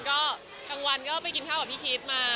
ก็กลางวันก็ไปกินข้าวกับพี่พีชมา